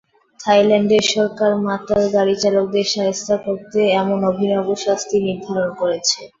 থাইল্যান্ডের সরকার মাতাল গাড়িচালকদের শায়েস্তা করতে এমন অভিনব শাস্তিই নির্ধারণ করেছে।